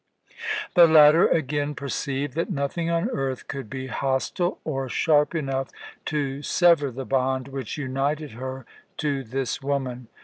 The latter again perceived that nothing on earth could be hostile or sharp enough to sever the bond which united her to this woman.